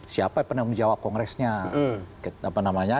siapa penemujawa kongresnya